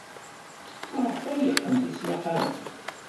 Maɣef ay yeqqen tismaqqalin?